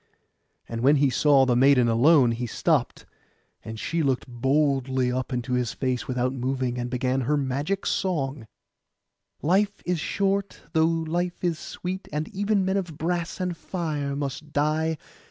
And when he saw the maiden alone, he stopped; and she looked boldly up into his face without moving, and began her magic song:— 'Life is short, though life is sweet; and even men of brass and fire must die.